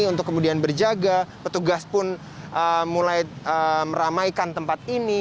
untuk kemudian berjaga petugas pun mulai meramaikan tempat ini